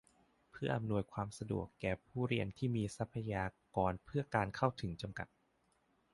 เพื่ออำนวยความสะดวกแก้ผู้เรียนที่มีทรัพยากรเพื่อการเข้าถึงจำกัด